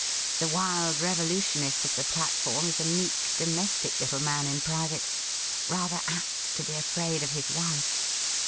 The wild revolutionist of the platform is a meek, domestic little man in private, rather apt to be afraid of his wife.